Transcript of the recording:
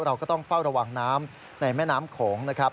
เราก็ต้องเฝ้าระวังน้ำในแม่น้ำโขงนะครับ